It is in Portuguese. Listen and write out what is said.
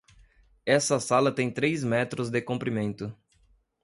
Essa sala tem três metros de comprimento.